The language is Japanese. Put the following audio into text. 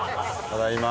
ただいま。